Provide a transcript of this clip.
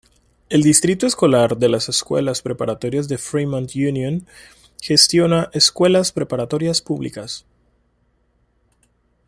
El Distrito Escolar de Escuelas Preparatorias de Fremont Union gestiona escuelas preparatorias públicas.